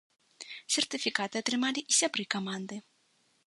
Сертыфікаты атрымалі і сябры каманды.